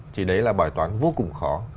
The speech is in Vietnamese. thì đấy là bài toán vô cùng khó